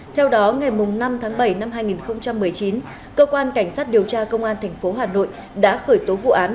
theo đó ngày năm tháng bảy năm hai nghìn một mươi chín cơ quan cảnh sát điều tra công an tp hà nội đã khởi tố vụ án